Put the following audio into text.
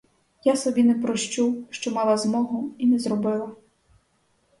Я собі не прощу, що мала змогу і не зробила.